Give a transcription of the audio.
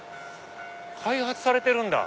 開発されてるんだ。